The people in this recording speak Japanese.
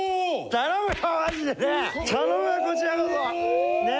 頼むよこちらこそ。ね。